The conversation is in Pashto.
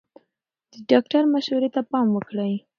د ډاکټر مشورې ته پام وکړئ.